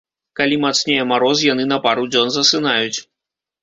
Калі мацнее мароз, яны на пару дзён засынаюць.